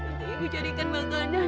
nanti ibu jadikan makanan